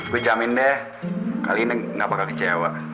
gue jamin deh kali ini nggak bakal kecewa